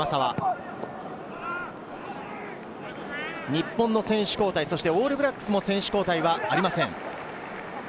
日本の選手交代、オールブラックスも選手交代はありません。